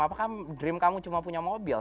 apakah dream kamu cuma punya mobil